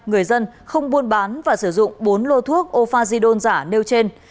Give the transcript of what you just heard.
người dân không buôn bán và sử dụng bốn lô thuốc offajidon giả nêu trên